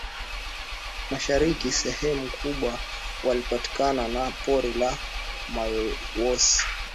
Mashariki sehemu kubwa walipakana na pori la moyowosi